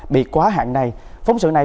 bị quá hạn này phóng sự này